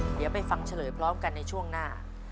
เดี๋ยวไปฟังเฉลยพร้อมกันในช่วงหน้า